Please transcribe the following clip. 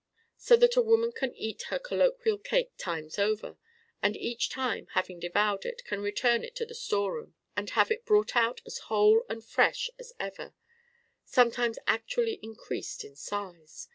So that a woman can eat her colloquial cake times over: and each time, having devoured it, can return it to the storeroom and have it brought out as whole and fresh as ever sometimes actually increased in size.